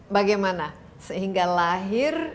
bagaimana sehingga lahir